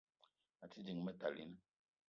A te ding Metalina